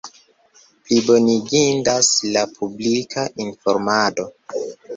Plibonigindas la publika informado.